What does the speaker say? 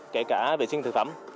kể cả vệ sinh thực phẩm